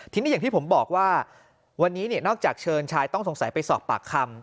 ทีนี้อย่างที่ผมบอกว่าวันนี้นอกจากเชิญชายต้องสงสัยไปสอบปากคำ